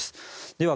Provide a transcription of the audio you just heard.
では